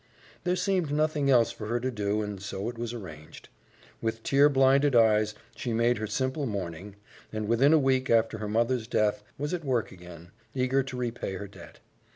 There seemed nothing else for her to do and so it was arranged. With tear blinded eyes she made her simple mourning, and within a week after her mother's death was at work again, eager to repay her debt.